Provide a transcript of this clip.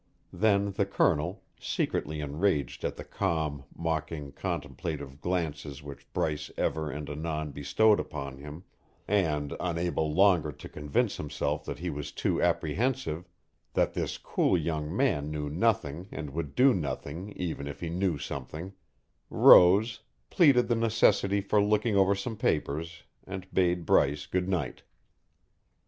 Then the Colonel, secretly enraged at the calm, mocking, contemplative glances which Bryce ever and anon bestowed upon him, and unable longer to convince himself that he was too apprehensive that this cool young man knew nothing and would do nothing even if he knew something rose, pleaded the necessity for looking over some papers, and bade Bryce good night.